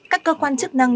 các cơ quan chức năng